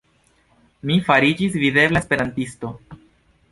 Mi fariĝis videbla esperantisto.